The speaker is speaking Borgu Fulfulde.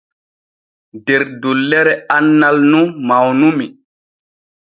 Der dullere annal nun mawnumi.